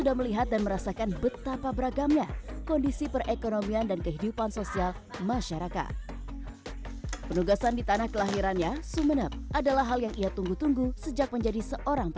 karena setelah itu pasti ada kesuksesan